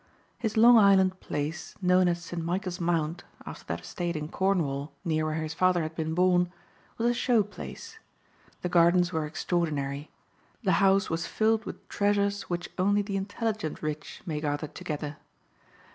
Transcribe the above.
His Long Island place, known as St. Michael's Mount after that estate in Cornwall near where his father had been born, was a show place. The gardens were extraordinary. The house was filled with treasures which only the intelligent rich may gather together.